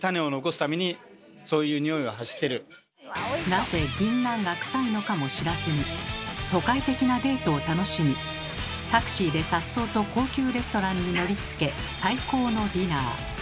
なぜぎんなんがクサいのかも知らずに都会的なデートを楽しみタクシーでさっそうと高級レストランに乗りつけ最高のディナー。